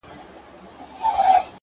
• او ضمناً د ځنګله -